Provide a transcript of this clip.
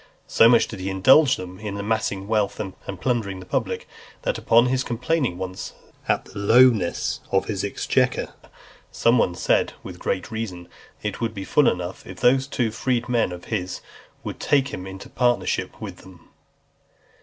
So much did he indulge them in amassing wealth, and plundering the public, that, upon his complaining, once, of the lowness of his exchequer, some one said, with great reason, that "It would be full enough, if those two freedmen of his would but take him into partnership with them."